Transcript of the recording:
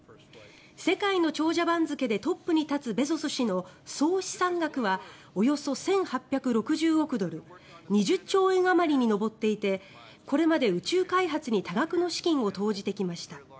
世界の長者番付でトップに立つベゾス氏の総資産額はおよそ１８６０億ドル２０兆円あまりに上っていてこれまで宇宙開発に多額の資金を投じてきました。